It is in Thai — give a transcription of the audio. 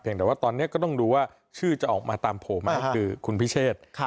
แต่ว่าตอนนี้ก็ต้องดูว่าชื่อจะออกมาตามโผล่ไหมคือคุณพิเชษ